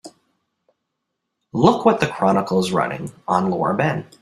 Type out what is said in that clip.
Look what the Chronicle is running on Laura Ben.